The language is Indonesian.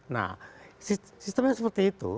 nah sistemnya seperti itu